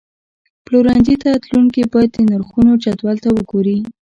پلورنځي ته تلونکي باید د نرخونو جدول ته وګوري.